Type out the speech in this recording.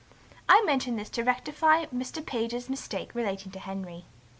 I mention this to rectify Mr. Page's mistake relating to Henry.